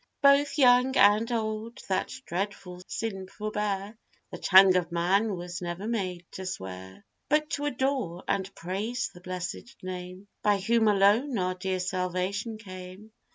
Both young and old, that dreadful sin forbear; The tongue of man was never made to swear, But to adore and praise the blessèd name, By whom alone our dear salvation came.